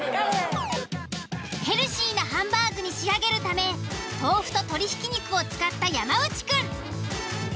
ヘルシーなハンバーグに仕上げるため豆腐と鶏ひき肉を使った山内くん。